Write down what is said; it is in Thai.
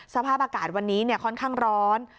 สภาพอากาศวันนี้ค่อนข้างร้อน